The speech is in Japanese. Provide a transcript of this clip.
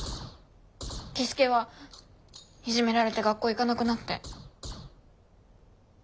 樹介はいじめられて学校行かなくなって。